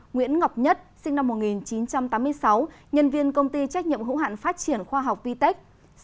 nguyễn ngọc nhất sinh năm một nghìn chín trăm tám mươi sáu nhân viên công ty trách nhiệm hữu hạn phát triển khoa học vitech